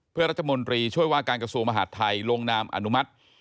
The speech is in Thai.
เพื่อรัฐมนตรีช่วยว่าการกระทรวงมหาดไทยลงนามอนุมัติ